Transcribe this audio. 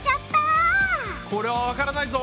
これはわからないぞ！